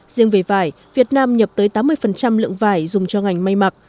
riêng về vải việt nam nhập tới tám mươi lượng vải dùng cho ngành may mặc